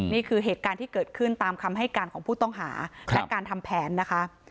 นี่คือเหตุการณ์ที่เกิดขึ้นตามคำให้การของผู้ต้องหาและการทำแผนนะคะ